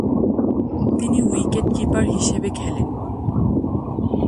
তিনি wicket keeper হিসাবে খেলেন।